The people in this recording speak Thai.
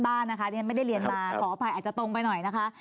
ดีเอางไม่ได้เรียนมาขออภัยอาจจะตรงไปหน่อยนะ